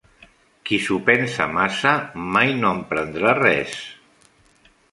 Qui s'ho pensa massa, mai no emprendrà res.